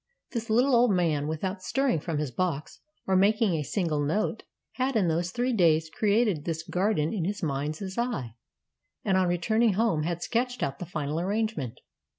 This Httle old man, without stirring from his box or making a single note, had in those three days created this garden in his mind's eye, and on returning home had sketched out the final arrangement.